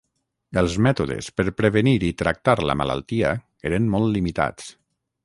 Els mètodes per prevenir i tractar la malaltia eren molt limitats.